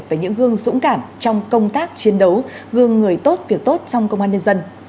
và những gương dũng cảm trong công tác chiến đấu gương người tốt việc tốt trong công an nhân dân